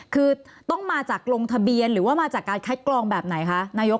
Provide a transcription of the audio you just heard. คือต้องมาจากลงทะเบียนหรือว่ามาจากการคัดกรองแบบไหนคะนายก